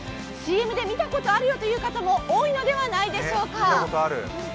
ＣＭで見たことあるよという方も多いのではないでしょうか。